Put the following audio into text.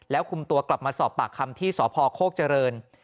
คุมตัวกลับมาสอบปากคำที่สพโคกเจริญ